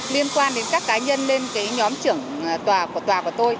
liên quan đến các cá nhân lên nhóm trưởng tòa của tôi